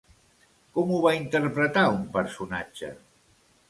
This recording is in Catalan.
Com ho va interpretar un personatge?